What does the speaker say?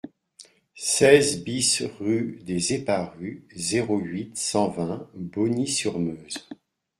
seize BIS rue des Eparus, zéro huit, cent vingt, Bogny-sur-Meuse